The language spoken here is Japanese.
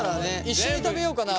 一緒に食べようかな。